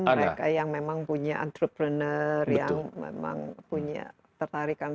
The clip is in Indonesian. mereka yang memang punya entrepreneur yang memang punya tertarikan